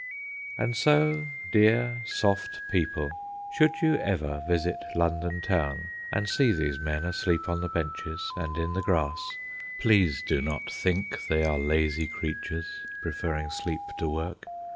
And so, dear soft people, should you ever visit London Town, and see these men asleep on the benches and in the grass, please do not think they are lazy creatures, preferring sleep to work.